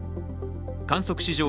観測史上